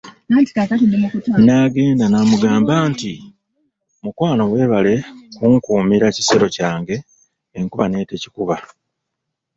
N'agenda n'amugamba nti, mukwano weebale kunkuumira kisero kyange enkuba n'etekikuba.